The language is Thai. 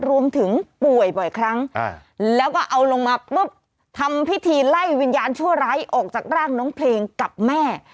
ป่วยบ่อยครั้งแล้วก็เอาลงมาปุ๊บทำพิธีไล่วิญญาณชั่วร้ายออกจากร่างน้องเพลงกับแม่